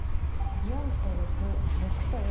４と６６と４。